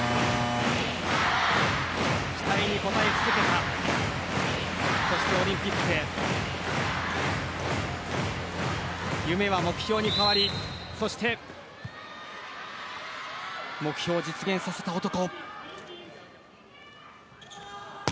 期待に応え続けたそしてオリンピックへ夢は目標に変わりそして目標を実現させた男。